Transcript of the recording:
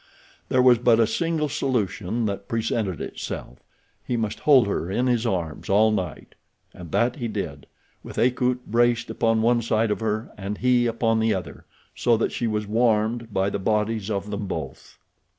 There was but a single solution that presented itself—he must hold her in his arms all night. And that he did, with Akut braced upon one side of her and he upon the other, so that she was warmed by the bodies of them both.